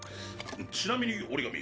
ちなみに折紙。